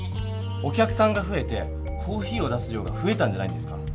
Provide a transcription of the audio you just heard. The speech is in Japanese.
お客さんがふえてコーヒーを出す量がふえたんじゃないんですか？